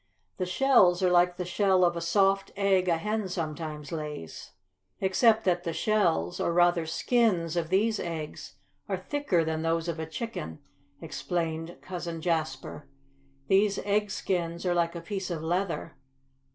"The shells are like the shell of a soft egg a hen sometimes lays." "Except that the shells, or rather, skins, of these eggs are thicker than those of a chicken," explained Cousin Jasper. "These egg skins are like a piece of leather.